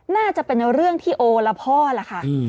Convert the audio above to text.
น่าจะเป็นเรื่องที่โอละพ่อล่ะค่ะ